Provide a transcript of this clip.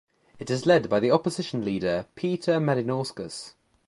It is led by Opposition Leader Peter Malinauskas